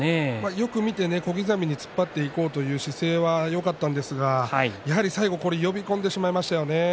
よく見て小刻みに突っ張っていこうという姿勢はよかったんですが、やはり呼び込んでしまいましたよね。